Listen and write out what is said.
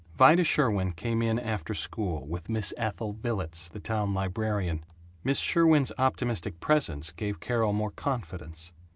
Vida Sherwin came in after school, with Miss Ethel Villets, the town librarian. Miss Sherwin's optimistic presence gave Carol more confidence.